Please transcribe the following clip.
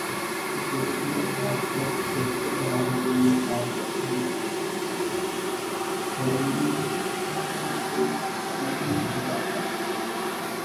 security اور معیشت بہتر بنانے کیلئے کام کر رہے ہیںوزیر خزانہ